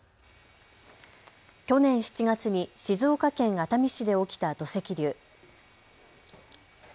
去年７月に静岡県熱海市で起きた土石流。